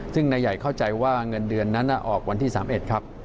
ซึ่งนายใหญ่เข้าใจว่าเงินเดือนนั้นออกวันที่๓๑ครับ